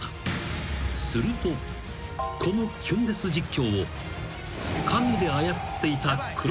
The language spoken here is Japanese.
［このキュンデス実況を］